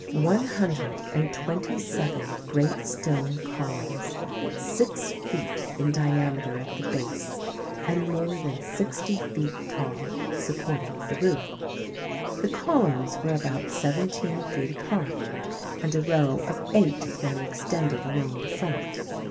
One hundred and twenty seven great stone columns, six feet in diameter at the base no THE SEVEN WONDERS and more than sixty feet tall, supported the roof. The columns were about seventeen feet apart, and a row of eight of them extended along the front.